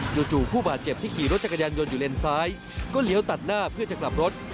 จู่ผู้บาดเจ็บที่ขี่รถจักรยานยนต์อยู่เลนซ้ายก็เลี้ยวตัดหน้าเพื่อจะกลับรถ